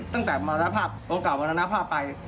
ตั้งแต่มรณภาพองค์เก่ามรณภาพไป